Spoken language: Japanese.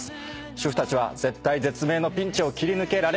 主婦たちは絶体絶命のピンチを切り抜けられるのか？